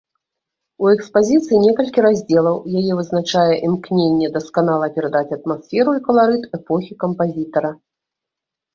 У экспазіцыі некалькі раздзелаў, яе вызначае імкненне дасканала перадаць атмасферу і каларыт эпохі кампазітара.